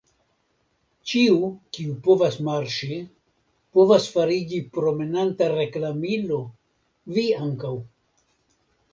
Ĉiu, kiu povas marŝi, povas fariĝi promenanta reklamilo, vi ankaŭ.